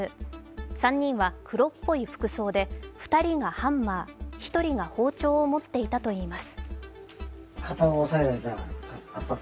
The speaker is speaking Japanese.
３人は黒っぽい服装で２人がハンマー、１人は包丁を持っていたといいます。